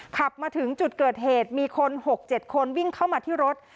ขับมาถึงจุดเกิดเหตุมีคน๖๗คนวิ่งเข้ามาที่รถ